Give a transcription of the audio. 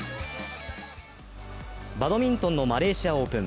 バドミントンのマレーシアオープン。